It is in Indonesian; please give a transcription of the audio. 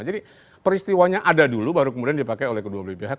jadi peristiwanya ada dulu baru kemudian dipakai oleh kedua belah pihak